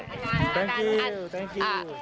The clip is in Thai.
โอเคขอบคุณครับขอบคุณครับ